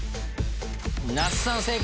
那須さん正解。